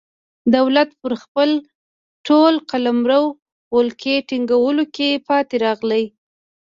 دولت پر خپل ټول قلمرو ولکې ټینګولو کې پاتې راغلی.